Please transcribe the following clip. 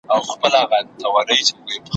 ایله خره ته سوه معلوم د ژوند رازونه ,